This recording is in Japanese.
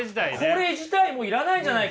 これ自体もう要らないんじゃないか。